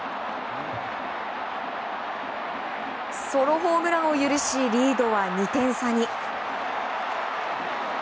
ソロホームランを許しリードは２点差に。